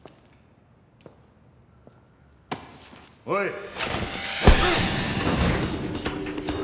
おい！